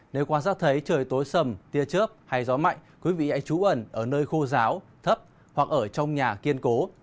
nếu quan sát thấy trời tối sầm tia trước hay gió mạnh quý vị hãy trú ẩn ở nơi khô giáo thấp hoặc ở trong nhà kiên cố